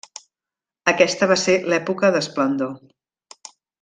Aquesta va ser l'època d'esplendor.